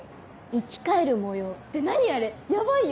「生き返る模様」って何あれヤバいよ。